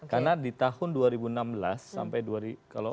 karena di tahun dua ribu enam belas sampai kalau dua ribu enam belas